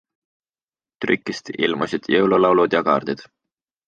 Trükist ilmusid jõululaulud ja -kaardid.